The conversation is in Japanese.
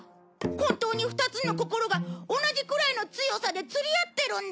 本当に２つの心が同じくらいの強さで釣り合ってるんだ！